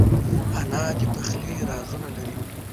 انا د پخلي رازونه لري